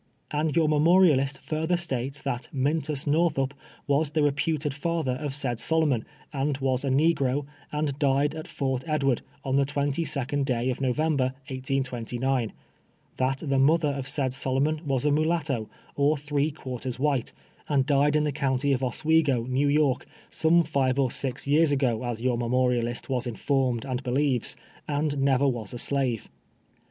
And your memorialist further states that Mintus Northup was the reputed father of said Sokimon, and wjvsa negro, and died at Fort Edward, on the 22d day of November, 1829 ; that the inuther of said Solomon was a mulatto, or three quarters white, and died in the county of Oswego, New York, some live or six years ago, as your memorialist was uaformed and believes, and never was a slave.